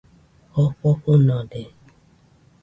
Jofo fɨnode